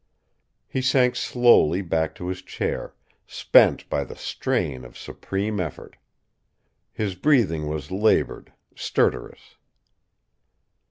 He sank slowly back to his chair, spent by the strain of supreme effort. His breathing was laboured, stertorous.